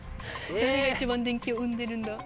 どれが一番電気を生んでるんだ？